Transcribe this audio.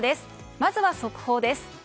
まずは速報です。